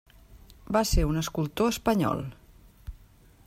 Va ser un escultor espanyol.